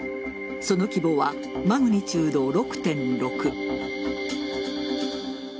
その規模はマグニチュード６．６。